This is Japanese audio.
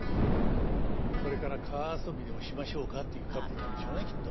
「これから川遊びでもしましょうか」というカップルなんでしょうねきっと。